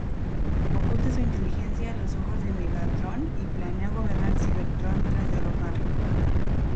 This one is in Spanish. Oculta su inteligencia a los ojos de Megatron y planea gobernar Cybertron tras derrocarlo.